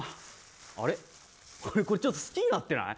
あれちょっと好きになってない。